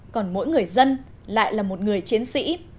còn mỗi người dân lại là một người chiến sĩ